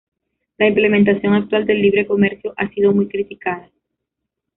La implementación actual del libre comercio ha sido muy criticada.